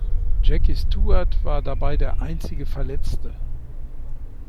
Jackie Stewart war dabei der einzige Verletzte.